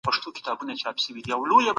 خرما انرژي او قوت ورکوي.